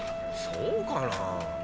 そうかなあ。